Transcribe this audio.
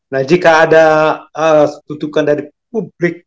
nah jika ada tutupan dari publik